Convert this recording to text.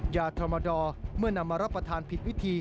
ยาธรรมดอเมื่อนำมารับประทานผิดพิธี